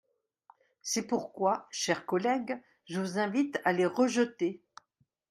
C’est pourquoi, chers collègues, je vous invite à les rejeter.